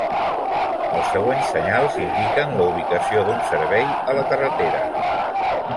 Els següents senyals indiquen la ubicació d'un servei a la carretera.